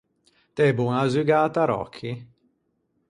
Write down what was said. T’ê boña à zugâ à taròcchi?